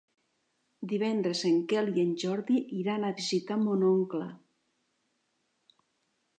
Divendres en Quel i en Jordi iran a visitar mon oncle.